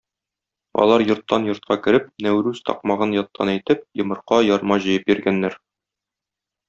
Алар йорттан-йортка кереп, нәүрүз такмагын яттан әйтеп, йомырка, ярма җыеп йөргәннәр.